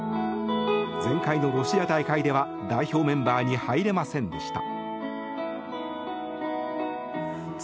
前回のロシア大会では代表メンバーに入れませんでした。